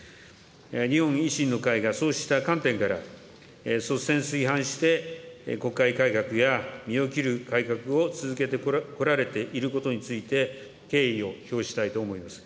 日本維新の会がそうした観点から、率先垂範して、国会改革や身を切る改革を続けてこられていることについて、敬意を表したいと思います。